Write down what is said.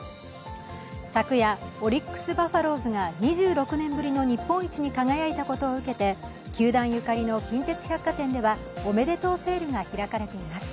昨夜、オリックス・バファローズが２６年ぶりの日本一に輝いたことを受けて、球団ゆかりの近鉄百貨店ではおめでとうセールが開かれています。